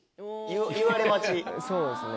そうですね。